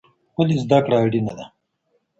ولې زده کړه اړینه ده؟